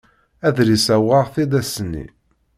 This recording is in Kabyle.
Adlis-a uɣeɣ-t-id ass-nni.